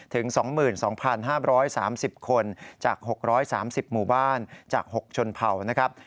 ถึง๒๒๕๓๐คนจาก๖๓๐หมู่บ้านจาก๖ชนเผ่านะครับ